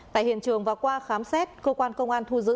tại hiện trường và qua khám xét cơ quan công an thu giữ